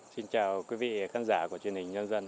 xin chào quý vị khán giả của chương trình nhân dân